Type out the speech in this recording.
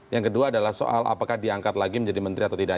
yang kedua adalah soal apakah diangkat lagi menjadi menteri atau tidak